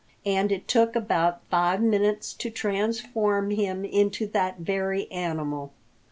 And it took about five minutes to transform him into that very animal.